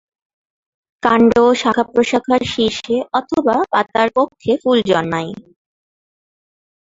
কাণ্ড, শাখা-প্রশাখা শীর্ষে অথবা পাতার কক্ষে ফুল জন্মায়।